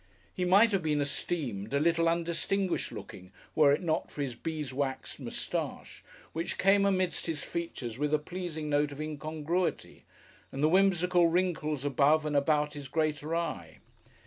He might have been esteemed a little undistinguished looking were it not for his beeswaxed moustache, which came amidst his features with a pleasing note of incongruity, and the whimsical wrinkles above and about his greater eye.